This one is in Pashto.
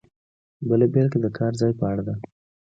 بله بېلګه د کار ځای په اړه ده.